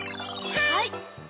はい！